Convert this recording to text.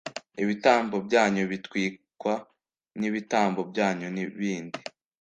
ibitambo byanyu bitwikwa, n’ibitambo byanyu bindi,